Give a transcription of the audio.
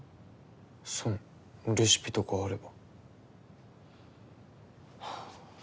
そのレシピとかあれば。